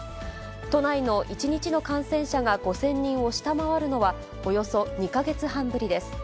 都内の１日の感染者が５０００人を下回るのは、およそ２か月半ぶりです。